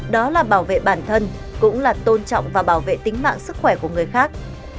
đó là bảo vệ bản thân cũng là tôn trọng và bảo vệ tính mạng sức khỏe của người khác